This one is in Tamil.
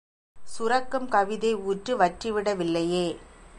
சுரக்கும் கவிதை ஊற்று வற்றி விட வில்லையே.